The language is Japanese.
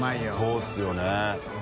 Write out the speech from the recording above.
そうですよね。